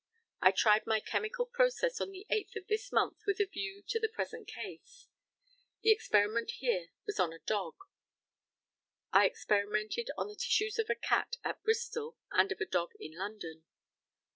I tried my chemical process on the 8th of this month with a view to the present case. The experiment here was on a dog. I experimented on the tissues of a cat at Bristol, and of a dog in London.